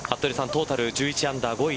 トータル１１アンダー５位